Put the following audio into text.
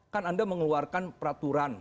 kan anda mengeluarkan peraturan